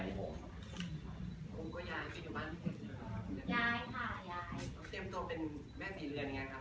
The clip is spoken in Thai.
กูก็ย้ายไปอยู่บ้านงลุกก็เตรียนตัวเป็นแม่ปีเรือนอย่างเงี้ยครับ